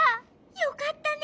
よかったね。